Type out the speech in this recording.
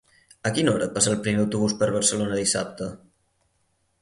A quina hora passa el primer autobús per Barcelona dissabte?